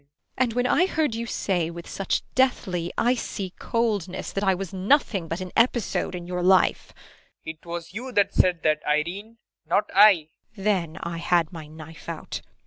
and when I heard you say with such deathly, icy coldness that I was nothing but an episode in your life PROFESSOR RUBEK. It was you that said that, Irene, not I. IRENE. [Continuing.] then I had my knife out.